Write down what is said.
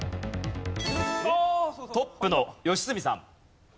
トップの良純さん。